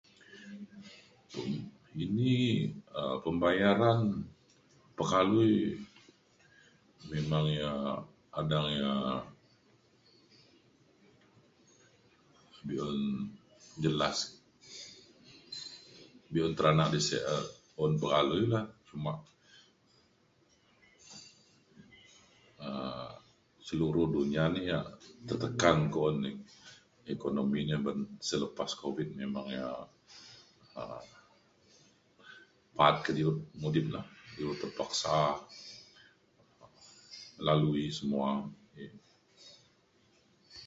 dini um pembayaran pekalui memang ia’ adang ia’ be’un jelas be’un terana di sek e un pekalui la cuma um seluruh dunia ni ia’ tertekan ku’un ekonomi ni beng selepas covid memang ia’ um ba’at kediut mudip na ilu terpaksa lalui semua.